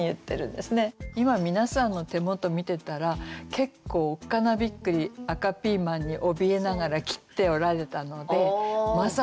今皆さんの手元見てたら結構おっかなびっくり赤ピーマンにおびえながら切っておられたのでまさに